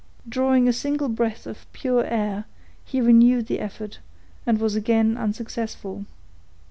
Drawing a single breath of pure air, he renewed the effort, and was again unsuccessful.